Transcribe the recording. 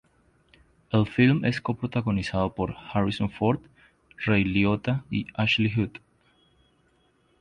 El film es co-protagonizado por Harrison Ford, Ray Liotta y Ashley Judd.